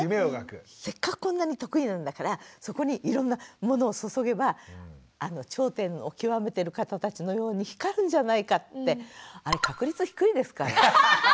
せっかくこんなに得意なんだからそこにいろんなものを注げばあの頂点を極めてる方たちのように光るんじゃないかってあれまじね